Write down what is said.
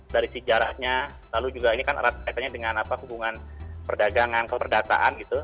dari sejarahnya lalu juga ini kan erat kaitannya dengan apa hubungan perdagangan keperdataan gitu